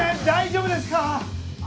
大丈夫ですか？